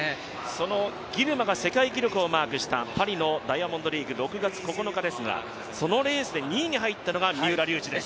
そのギルマが世界記録をマークしたパリのダイヤモンドリーグ、６月９日ですが、そのレースで２位に入ったのが三浦龍司です。